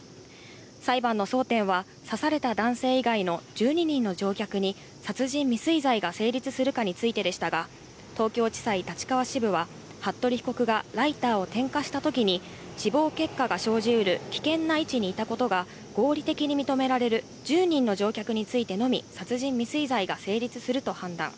裁判の争点は、刺された男性以外の１２人の乗客に殺人未遂罪が成立するかについてでしたが、東京地裁立川支部は、服部被告がライターを点火したときに、死亡結果が生じうる危険な位置にいたことが合理的に認められる１０人の乗客についてのみ、殺人未遂罪が成立すると判断。